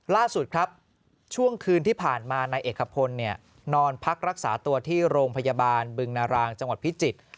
ล่าสุดครับช่วงคืนที่ผ่านมานายเอกพลนอนพักรักษาตัวที่โรงพยาบาลบึงนารางจังหวัดพิจิตร